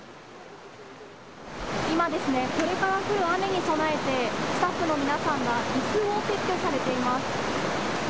今ですね、これから降る雨に備えてスタッフの皆さんがいすを撤去されています。